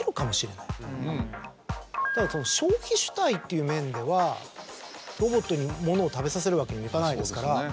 ただ消費主体という面ではロボットに物を食べさせるわけにもいかないですから。